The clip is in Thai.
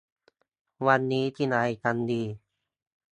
วันนี้กินอะไรกันดี